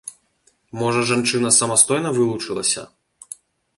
Можа, жанчына самастойна вылучылася?